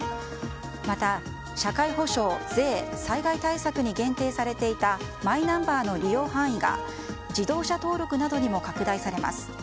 また、社会保障、税、災害対策に限定されていたマイナンバーの利用範囲が自動車登録などにも拡大されます。